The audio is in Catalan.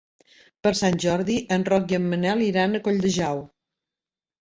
Per Sant Jordi en Roc i en Manel iran a Colldejou.